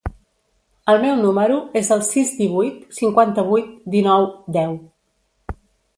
El meu número es el sis, divuit, cinquanta-vuit, dinou, deu.